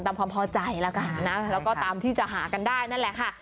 ความพอใจแล้วกันนะแล้วก็ตามที่จะหากันได้นั่นแหละค่ะ